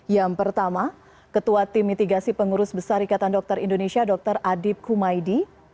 yang pertama ketua tim mitigasi pengurus besar ikatan dokter indonesia dr adib kumaydi